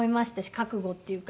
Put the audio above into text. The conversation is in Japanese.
覚悟っていうか。